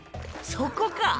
そこか！